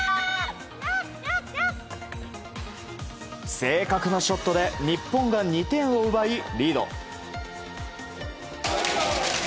正確なショットで日本が２点を奪い、リード。